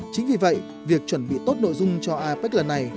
chính vì vậy việc chuẩn bị tốt nội dung cho apec lần này